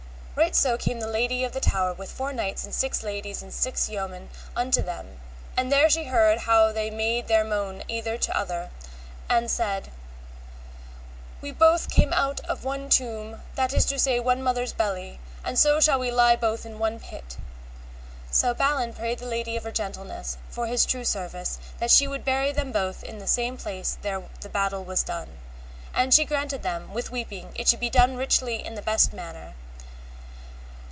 Right so came the lady of the tower with four knights and six ladies and six yeomen unto them, and there she heard how they made their moan either to other, and said, We came both out of one tomb, that is to say one mother's belly, and so shall we lie both in one pit. So Balan prayed the lady of her gentleness, for his true service, that she would bury them both in that same place there the battle was done. And she granted them, with weeping, it should be done richly in the best manner.